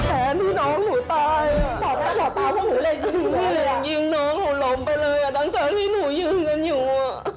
แทนที่น้องหนูตายอ่ะหลับตาเพราะหนูเล่นยิงเลยอ่ะยิงน้องหนูหลมไปเลยอ่ะตั้งแต่ที่หนูยืนกันอยู่อ่ะ